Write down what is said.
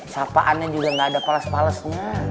sapaannya juga nggak ada pales palesnya